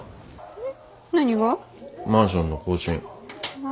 えっ？